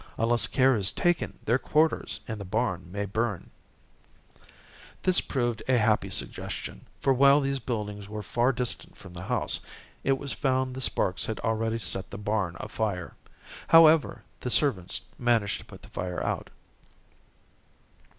Unless care is taken their quarters and the barn may burn." [Illustration: The darkies' quarters.] This proved a happy suggestion; for while these buildings were far distant from the house, it was found the sparks had already set the barn afire. However, the servants managed to put the fire out.